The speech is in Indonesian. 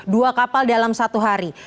dua kapal dalam satu hari